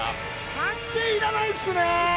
判定いらないっすね。